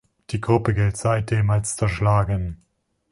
Die Gruppe gilt seitdem als zerschlagen.